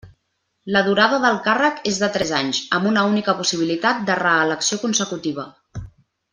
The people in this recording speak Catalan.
La durada del càrrec és de tres anys, amb una única possibilitat de reelecció consecutiva.